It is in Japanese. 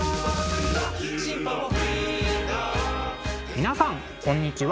皆さんこんにちは。